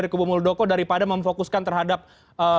ini paku demokrat dikudeta oleh psb